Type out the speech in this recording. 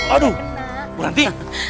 aduh bu ranti